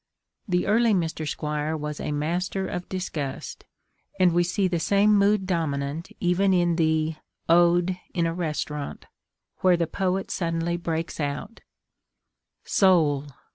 The early Mr. Squire was a master of disgust, and we see the same mood dominant even in the Ode: In a Restaurant, where the poet suddenly breaks out: Soul!